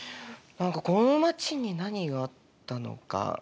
何かこの街に何があったのか。